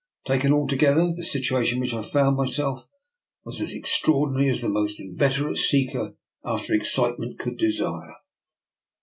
Taken altogether, the situa tion in which I found myself was as extraor dinary as the most inveterate seeker after ex citement could desire.